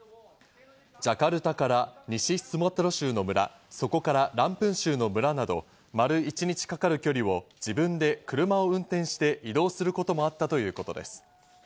ジャカルタから西スマトラ州の村、そこからランプン州の村など、丸１日かかる距離を自分で車を運転して移動することもあったということです。